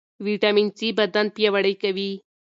ویټامین سي بدن پیاوړی کوي.